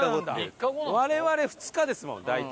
我々２日ですもん大体。